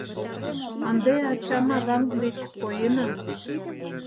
Ынде ачам-авам деч поена